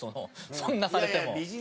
そんなされても。